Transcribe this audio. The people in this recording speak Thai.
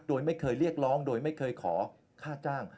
โดยไม่เคยเรียกร้องโดยไม่เคยขอค่าจ้าง